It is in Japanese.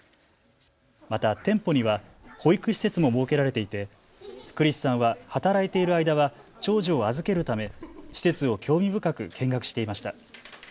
また店舗には保育施設も設けられていてクリスさんは働いている間は長女を預けるため施設を興味深く見学していました。